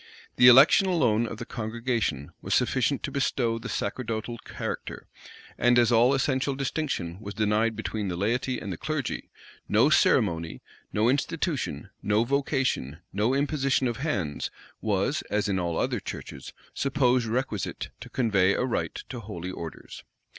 The election alone of the congregation was sufficient to bestow the sacerdotal character; and as all essential distinction was denied between the laity and the clergy, no ceremony, no institution, no vocation, no imposition of hands was, as in all other churches, supposed requisite to convey a right to holy orders.